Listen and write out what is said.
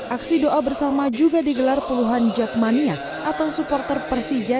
aksi doa bersama juga digelar puluhan jakmania atau supporter persija